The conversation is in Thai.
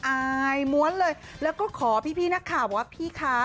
อายม้วนเลยแล้วก็ขอพี้น่ะค่ะดีพี่ค่ะ